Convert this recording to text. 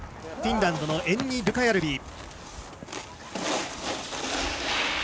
フィンランドのエンニ・ルカヤルビ。